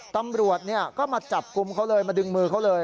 ตำรวจก็มาจับกลุ่มเขาเลยมาดึงมือเขาเลย